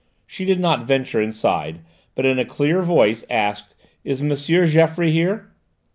She did not venture inside, but in a clear voice asked, "Is M. Geoffroy here?"